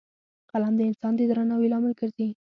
قلم د انسان د درناوي لامل ګرځي